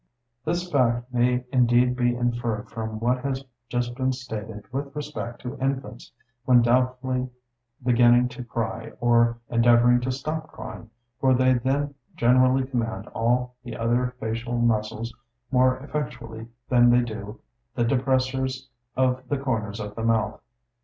This fact may indeed be inferred from what has just been stated with respect to infants when doubtfully beginning to cry, or endeavouring to stop crying; for they then generally command all the other facial muscles more effectually than they do the depressors of the corners of the mouth.